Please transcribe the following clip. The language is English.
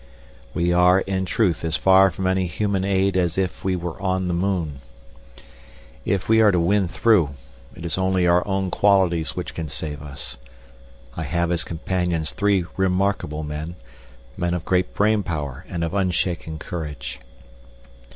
We are, in truth, as far from any human aid as if we were in the moon. If we are to win through, it is only our own qualities which can save us. I have as companions three remarkable men, men of great brain power and of unshaken courage.